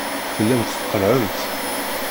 Tellamt tqellɛemt.